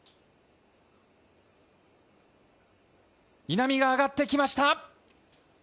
稲見が上がってきました。